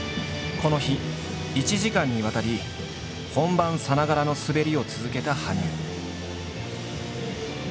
この日１時間にわたり本番さながらの滑りを続けた羽生。